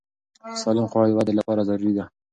سالم خواړه د وده لپاره ضروري دي.